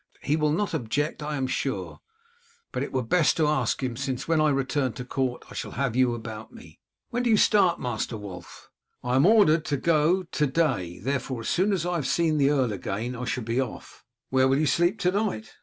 He will not object, I am sure, but it were best to ask him, since, when I return to court, I shall have you about me." "When do you start, Master Wulf?" "I am ordered to go to day; therefore, as soon as I have seen the earl again I shall be off." "Where will you sleep to night?"